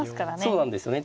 そうなんですよね。